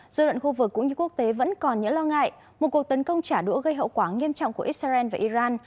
dù đoạn khu vực cũng như quốc tế vẫn còn nhớ lo ngại một cuộc tấn công trả đũa gây hậu quả nghiêm trọng của israel và iran